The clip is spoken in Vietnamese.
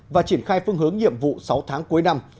và triển khai phương hướng nhiệm vụ sáu tháng cuối năm